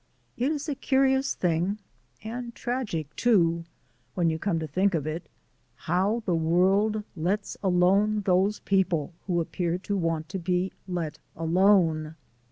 It is a curious thing, and tragic, too, when you come to think of it, how the world lets alone those people who appear to want to be let alone.